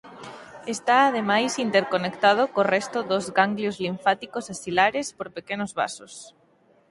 Está ademais interconectado co resto dos ganglios linfáticos axilares por pequenos vasos.